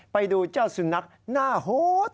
ไปดูเจ้าสุนัขหน้าโฮด